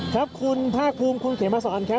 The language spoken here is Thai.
ครับคุณภาคภูมิคุณเขมสอนครับ